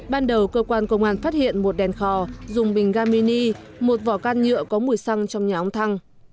ban đầu cơ quan công an phát hiện một đèn khò dùng bình ga mini một vỏ can nhựa có mùi xăng trong nhà ông thăng